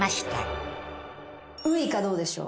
ウイカどうでしょう。